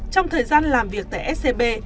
trong thời gian làm việc tại scb